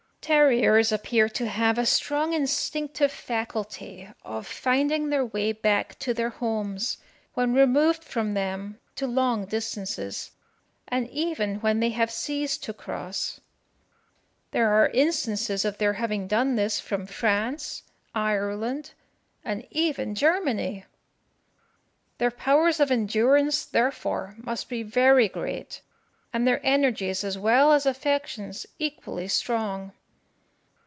Terriers appear to have a strong instinctive faculty of finding their way back to their homes, when removed from them to long distances, and even when they have seas to cross. There are instances of their having done this from France, Ireland, and even Germany. Their powers of endurance, therefore, must be very great, and their energies as well as affections equally strong.